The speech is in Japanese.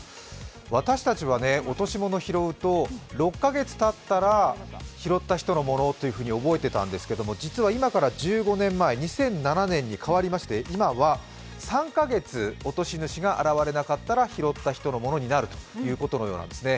私たちは落とし物を拾うと６か月たったら拾った人のものと覚えてたんですけど、実は今から１５年前、２００７年に変わりまして、今は３か月落とし主が現れなかったら拾った人のものになるということのようなんですね。